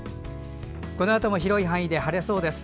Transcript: このあとも広い範囲で晴れそうです。